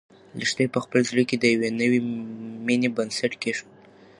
لښتې په خپل زړه کې د یوې نوې مېنې بنسټ کېښود.